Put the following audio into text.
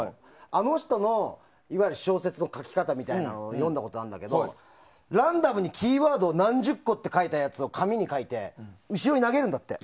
あの人のいわゆる小説の書き方みたいなものを読んだことがあるんだけどランダムにキーワードをいくつも書いたやつを紙に書いて後ろに投げるんだって。